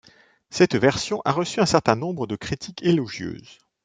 Cette version a reçu un certain nombre de critiques élogieuses.